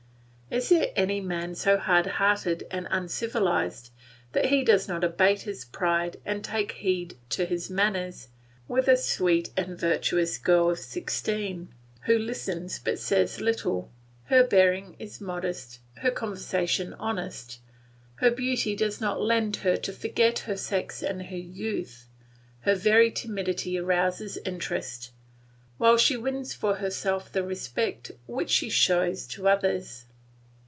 Is there any man so hard hearted and uncivilised that he does not abate his pride and take heed to his manners with a sweet and virtuous girl of sixteen, who listens but says little; her bearing is modest, her conversation honest, her beauty does not lead her to forget her sex and her youth, her very timidity arouses interest, while she wins for herself the respect which she shows to others?